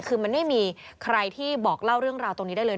คือมันไม่มีใครที่บอกเล่าเรื่องราวตรงนี้ได้เลย